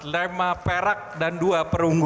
lima perak dan dua perunggu